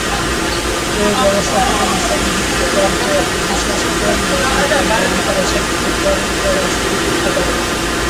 এই ব্যবস্থাতে কোনো সংযুক্ত প্রান্ত একটি বিশেষ ফ্রেম বা টোকেন গ্রহণ করা সাপেক্ষে প্রেরণ করা শুরু করতে পারে।